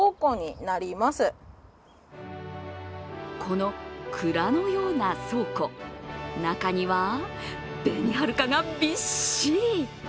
この蔵のような倉庫、中には、べにはるかがびっしり！